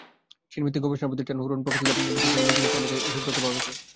চীনভিত্তিক গবেষণা-প্রতিষ্ঠান Hurun প্রকাশিত বিশ্বের ধনী ব্যক্তিদের তালিকায় এসব তথ্য পাওয়া গেছে।